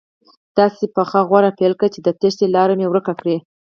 داسې پخه غوره پیل کړي چې د تېښتې لاره مې ورکه کړي.